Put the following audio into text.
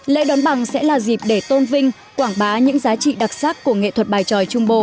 lễ đón bằng sẽ là dịp để tôn vinh quảng bá những giá trị đặc sắc của nghệ thuật bài tròi trung bộ